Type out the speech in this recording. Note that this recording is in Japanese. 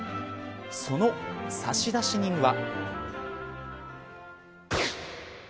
その差出人は。